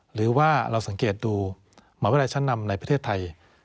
หรือว่าเราสังเกตดูมหาวิทยาลัยชั้นนำในประเทศไทย